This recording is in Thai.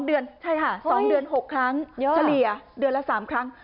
เดือนใช่ค่ะ๒เดือน๖ครั้งเฉลี่ยเดือนละ๓ครั้ง